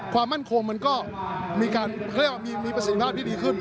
ความมั่นคงมันก็มีการเขาเรียกว่ามีประสิทธิภาพที่ดีขึ้น